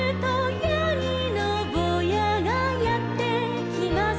「やぎのぼうやがやってきます」